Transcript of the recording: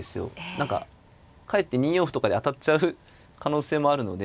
何かかえって２四歩とかで当たっちゃう可能性もあるので。